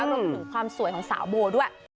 รวมถึงความสวยของสาวโบด้วย